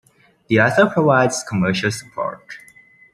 The author provides commercial support.